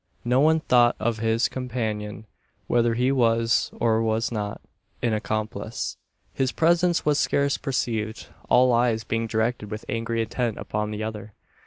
No one thought of his companion whether he was, or was not, an accomplice. His presence was scarce perceived all eyes being directed with angry intent upon the other.